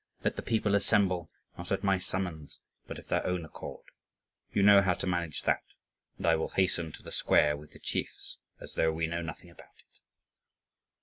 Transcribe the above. Let the people assemble, not at my summons, but of their own accord. You know how to manage that; and I will hasten to the square with the chiefs, as though we know nothing about it."